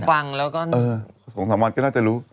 ๒๓วันก็น่าจะรู้